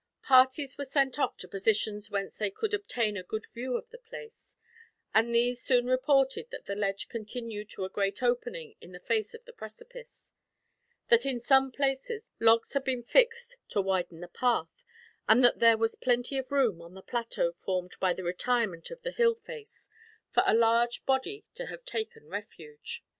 Parties were sent off to positions whence they could obtain a good view of the place, and these soon reported that the ledge continued to a great opening in the face of the precipice; that in some places logs had been fixed to widen the path; and that there was plenty of room, on the plateau formed by the retirement of the hill face, for a large body to have taken refuge.